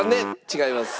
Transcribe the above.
違います。